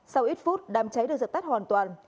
sau ít phút đám cháy được dập tắt hoàn toàn